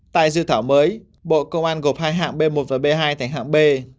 tại dự thảo mới bộ công an gộp hai hạng b một và b hai thành hạng b